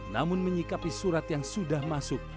namun menyikapi surat yang sudah masuk